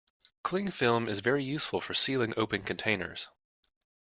Clingfilm is very useful for sealing open containers